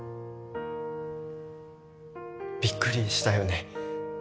びっくりしたよね